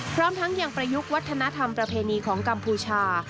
พร้อมทั้งยังประยุกต์วัฒนธรรมประเพณีของกัมพูชา